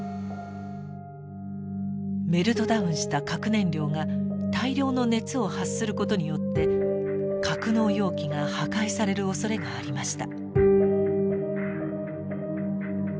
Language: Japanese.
メルトダウンした核燃料が大量の熱を発することによって格納容器が破壊されるおそれがありました。